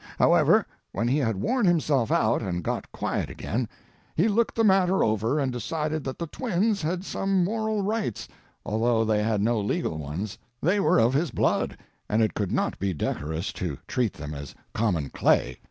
However when he had worn himself out and got quiet again, he looked the matter over and decided that the twins had some moral rights, although they had no legal ones; they were of his blood, and it could not be decorous to treat them as common clay.